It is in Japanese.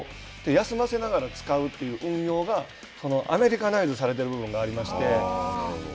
休ませながら使うという運用がアメリカナイズされてる部分がありまして。